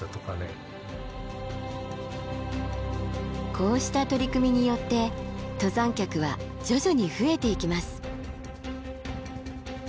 こうした取り組みによって登山客は徐々に増えていきます。